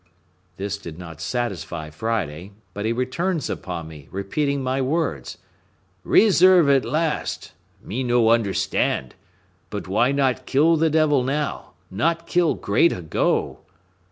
This did not satisfy Friday; but he returns upon me, repeating my words, "'Reserve at last!' me no understand—but why not kill the devil now; not kill great ago?"